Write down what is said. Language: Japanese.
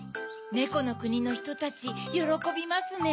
ねこのくにのひとたちよろこびますね。